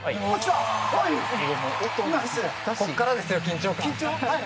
ここからですよ、緊張感。